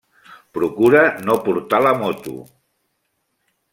Procura no portar la moto.